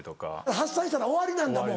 発散したら終わりなんだもう。